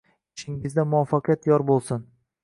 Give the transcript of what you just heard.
Ishingizda muvafaqqiyat yor bo'lsin!